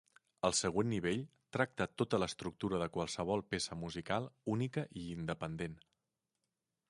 El següent nivell tracta tota l'estructura de qualsevol peça musical única i independent.